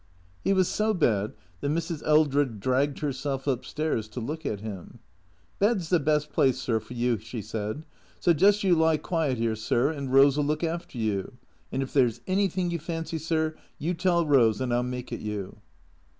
He was so bad that Mrs. Eldred dragged herself up stairs to look at him. " Bed 's the best place, sir, for you," she said. " So just you lie quiet 'ere, sir, and Eose '11 look after you. And if there 's anything you fancy, sir, you tell Eose, and I '11 make it you."